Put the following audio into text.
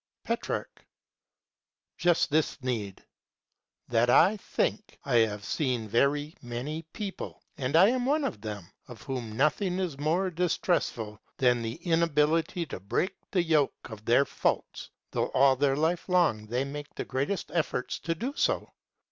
Petrarch. Just this need, that I think I have seen very many people, and I am one of them, to whom nothing is more distressful than the inability to break the yoke of their faults, though all their life long they make the greatest efforts so to do.